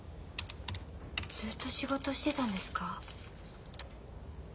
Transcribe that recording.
ずっと仕事してたんですか？